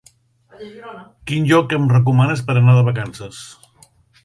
Quin lloc em recomanes per anar de vacances?